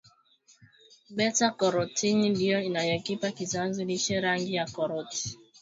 beta karotini ndio inayokipa kiazi lishe rangi ya karoti